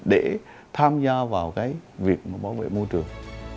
để tham gia vào việc bảo vệ môi trường